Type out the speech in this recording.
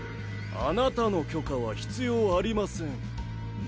あなたの許可は必要ありません。